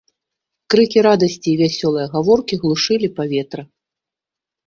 Крыкі радасці і вясёлыя гаворкі глушылі паветра.